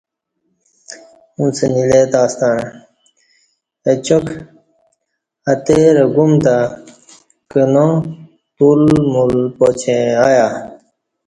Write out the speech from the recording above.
اُݩڅ نیلہ تہ ستݩع اچاک اتہ رہ گُوم تہ، کنا، تول مول پاچں ایہ